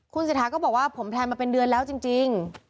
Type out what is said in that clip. เศรษฐาก็บอกว่าผมแพลนมาเป็นเดือนแล้วจริง